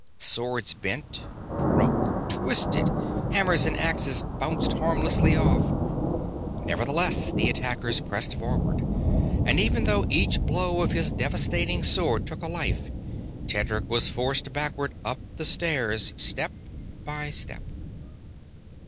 Swords bent, broke, twisted; hammers and axes bounced harmlessly off. Nevertheless the attackers pressed forward; and, even though each blow of his devastating sword took a life, Tedric was forced backward up the stairs, step by step.